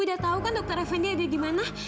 ibu tau kan dokter effendi ada di mana